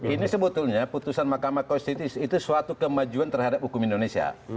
ini sebetulnya putusan mahkamah konstitusi itu suatu kemajuan terhadap hukum indonesia